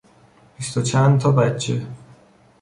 بیست و چند تا بچه